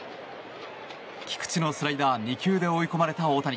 菊池のスライダー２球で追い込まれた大谷。